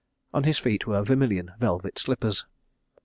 On his feet were vermilion velvet slippers.